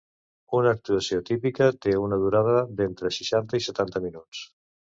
Una actuació típica té una durada d'entre seixanta i setanta minuts.